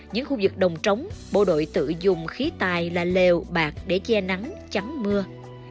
những khu vực đồng trống bộ đội tự dùng khí tài là lều bạc để che nắng chắn mưa